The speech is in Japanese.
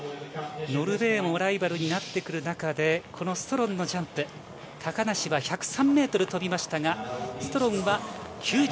ノルウェーもライバルになってくる中で、このストロンのジャンプ、高梨は１０３ｍ飛びましたが、ストロンは９２ｍ。